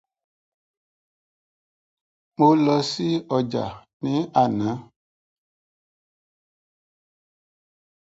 Those publications have concentrated on several themes.